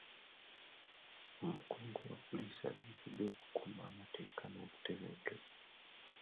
Omukungu wa poliisi ateekeddwa okukuuma amateeka n'obutebenkevu.